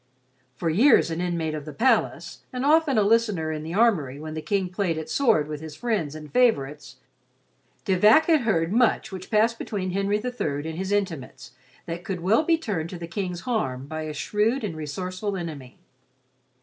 For years an inmate of the palace, and often a listener in the armory when the King played at sword with his friends and favorites, De Vac had heard much which passed between Henry III and his intimates that could well be turned to the King's harm by a shrewd and resourceful enemy.